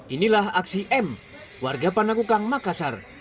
inilah aksi m warga panakukang makassar